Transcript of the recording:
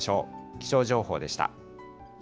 気象情報でした。